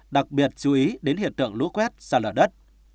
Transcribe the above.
đặc biệt chú ý đến hiện tượng lũ quét xa lở đất